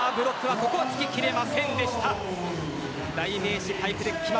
ここは日本付き切れませんでした。